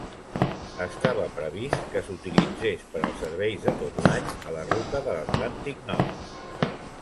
Estava previst que s'utilitzés per als serveis de tot l'any a la ruta de l'Atlàntic Nord.